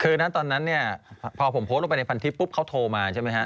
คือนั่นตอนนี้พอผมโพสต์ลงไปในพันธิปส์เพื่อนเขาโทรมาใช่ไหมฮะ